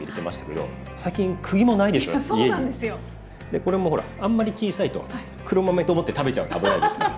これもほらあんまり小さいと黒豆と思って食べちゃうと危ないですから。